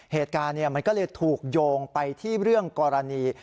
เหตุการณ์มันก็เลยถูกโยงไปที่เรื่องกรณี